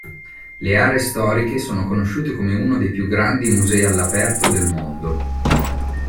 Le aree storiche sono conosciute come uno dei più grandi musei all'aperto del mondo.